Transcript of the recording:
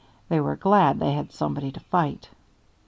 They were glad they had somebody to fight.